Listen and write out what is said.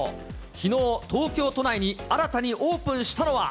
きのう、東京都内に新たにオープンしたのは。